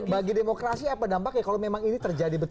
bagi demokrasi apa dampaknya kalau memang ini terjadi